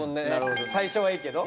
最初はいいけど？